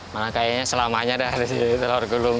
malah kayaknya selamanya ada di telur gulung